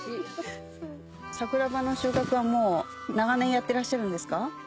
桜葉の収穫は長年やってらっしゃるんですか？